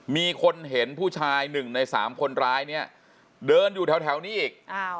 มีคนเห็นผู้ชาย๑ใน๓คนร้ายเนี่ยเดินอยู่แถวนี้อีก